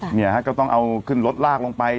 เนี่ยฮะก็ต้องเอาขึ้นรถลากลงไป